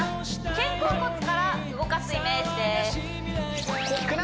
肩甲骨から動かすイメージですきくな！